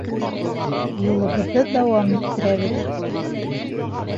Юлыбыҙҙы дауам иттерәбеҙ.